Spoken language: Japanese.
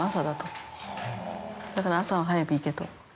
だから朝は早く行けと。